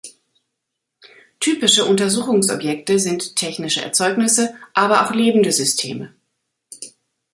Typische Untersuchungsobjekte sind technische Erzeugnisse, aber auch lebende Systeme.